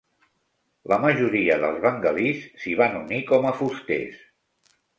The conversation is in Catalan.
La majoria dels bengalís s'hi van unir com a fusters.